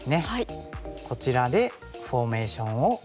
こちらでフォーメーションを完成させると。